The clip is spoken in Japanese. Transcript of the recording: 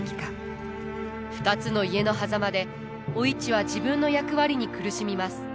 ２つの家のはざまでお市は自分の役割に苦しみます。